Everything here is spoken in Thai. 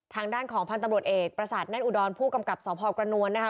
ทางด้านของพันธุ์ตำรวจเอกประสาทแน่นอุดรผู้กำกับสพกระนวลนะคะ